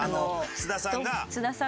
津田さんが。